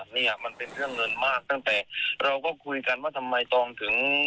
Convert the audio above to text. เนี่ยมันเป็นเรื่องเงินมากตั้งแต่เราก็คุยกันว่าทำไมกองถึง